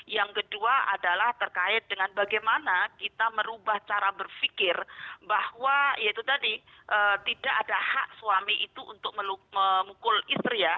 yang kedua adalah terkait dengan bagaimana kita merubah cara berpikir bahwa ya itu tadi tidak ada hak suami itu untuk memukul istri ya